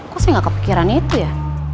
kok saya gak kepikiran itu ya